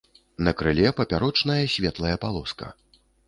На крыле папярочная светлая палоска.